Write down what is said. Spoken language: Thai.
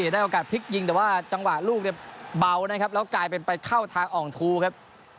ได้โอกาสพลิกยิงแต่ว่าจังหวะลูกเนี่ยเบานะครับแล้วกลายเป็นไปเข้าทางอ่องทูครับ